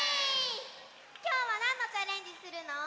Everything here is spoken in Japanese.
きょうはなんのチャレンジするの？